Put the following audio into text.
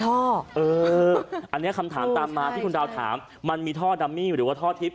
อันนี้คำถามตามมาที่คุณดาวถามมันมีท่อดัมมี่หรือว่าท่อทิพย